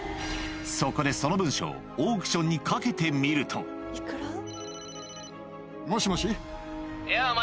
そこでその文書をオークションにかけてみるとうん。